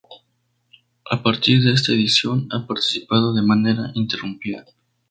A partir de esta edición ha participado de manera ininterrumpida.